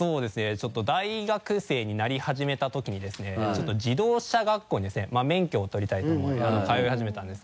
ちょっと大学生になりはじめた時にですねちょっと自動車学校にですね免許を取りたいと思って通い始めたんですけどまぁちょうどですね